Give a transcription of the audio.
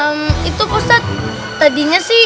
ehm itu ustadz tadinya sih